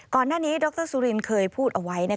ก่อนหน้านี้ดรสุรินเคยพูดเอาไว้